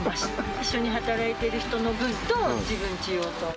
一緒に働いている人の分と自分ち用と。